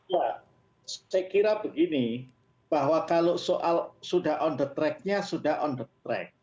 ya saya kira begini bahwa kalau soal sudah on the tracknya sudah on the track